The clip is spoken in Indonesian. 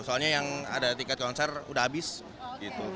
soalnya yang ada tiket konser udah habis gitu